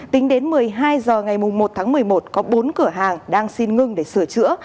tính đến một mươi hai h ngày một tháng một mươi một có bốn cửa hàng đang xin ngưng để sửa chữa